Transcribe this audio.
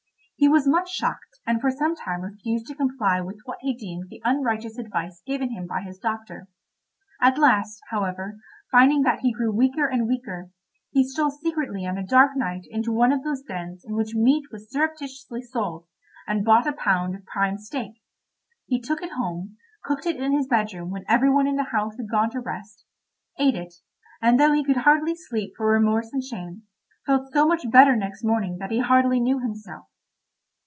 He was much shocked and for some time refused to comply with what he deemed the unrighteous advice given him by his doctor; at last, however, finding that he grew weaker and weaker, he stole secretly on a dark night into one of those dens in which meat was surreptitiously sold, and bought a pound of prime steak. He took it home, cooked it in his bedroom when every one in the house had gone to rest, ate it, and though he could hardly sleep for remorse and shame, felt so much better next morning that he hardly knew himself.